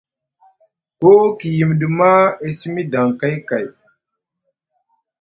Koo ku yimiɗi maa, e simi daŋgay kay,